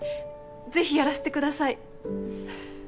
ぜひやらせてください！